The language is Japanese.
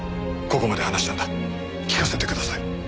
ここまで話したんだ聞かせてください。